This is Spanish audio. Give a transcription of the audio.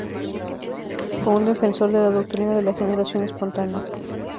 Fue un defensor de la doctrina de la generación espontánea.